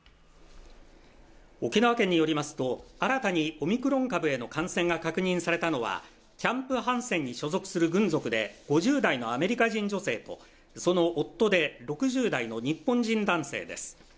沖縄県によりますと、新たにオミクロン株への感染が確認されたのはキャンプ・ハンセンに所属する軍属で５０代のアメリカ人女性と、その夫で６０代の日本人男性です。